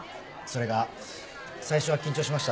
それが最初は緊張しました。